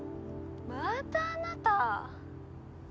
またあなた。